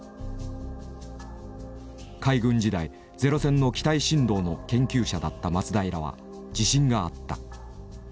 海軍時代ゼロ戦の機体振動の研究者だった松平は自信があった。